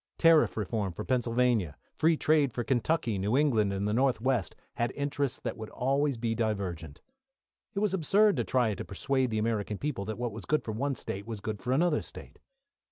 Tariff reform for Pennsylvania, free trade for Kentucky. New England and the North west had interests that would always be divergent. It was absurd to try and persuade the American people that what was good for one State was good for another State.